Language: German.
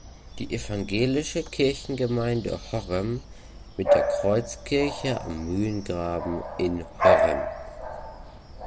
Die evangelische Kirchengemeinde Horrem mit der Kreuzkirche am Mühlengraben in Horrem.